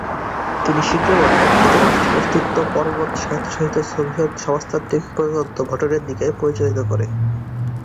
তিনি শীঘ্রই মারা যান কিন্তু রাষ্ট্রের অস্তিত্ব পর্বত স্বায়ত্তশাসিত সোভিয়েত সমাজতান্ত্রিক প্রজাতন্ত্র গঠনের দিকে পরিচালিত করে।